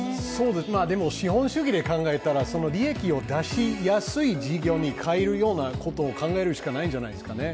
でも資本主義で考えたら利益を出しやすい事業に変えることを考えるしかないんじゃないですかね。